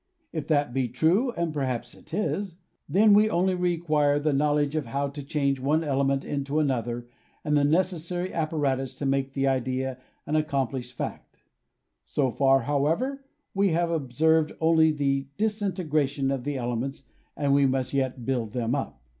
If that be true — and perhaps it is — then we only require the knowl edge of how to change one element into another and the necessary apparatus to make the idea an accomplished fact. So far, however, we have observed only the disintegration of the elements and we must yet build them up.